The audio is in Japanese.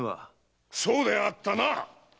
そうであったな！